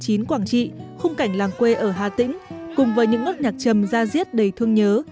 quảng trị khung cảnh làng quê ở hà tĩnh cùng với những ngất nhạc trầm ra diết đầy thương nhớ